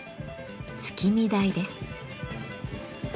月見台です。